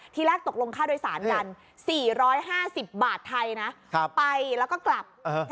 ทีแรกตกลงค่าโดยสารกัน๔๕๐บาทไทยนะไปแล้วก็กลับ